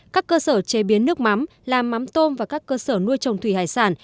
các cơ sở chế biến nước mắm làm mắm tôm và các cơ sở nuôi trồng thủy hải sản